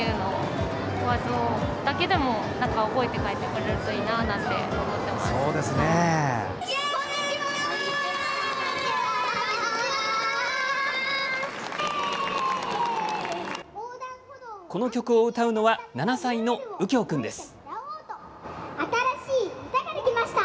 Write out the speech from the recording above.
この曲を歌うのは７歳の、うきょう君です。